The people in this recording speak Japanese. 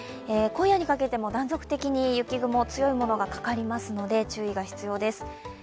今夜にかけても断続的に雪雲、強いものがかかりますので注意が必要です。